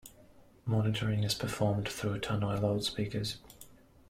Monitoring is performed through Tannoy loudspeakers.